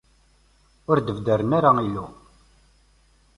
Ur d-beddren ara Illu.